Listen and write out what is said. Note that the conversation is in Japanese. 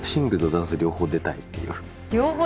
両方！